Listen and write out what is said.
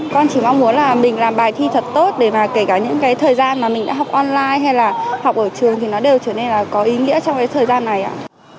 con chỉ mong muốn là mình làm bài thi thật tốt để mà kể cả những cái thời gian mà mình đã học online hay là học ở trường thì nó đều trở nên là có ý nghĩa trong cái thời gian này ạ